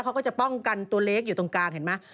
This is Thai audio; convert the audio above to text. เขาก็จะป้องกันตัวเล็กอยู่ตรงกลางเห็นไหม